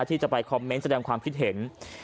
ที่จะไปคอมเมนต์แสดงความคิดเห็น